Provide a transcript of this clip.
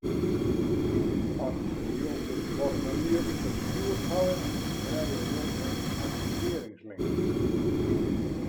At jo it formulier ferstjoerd hawwe, krijge jo in aktivearringslink.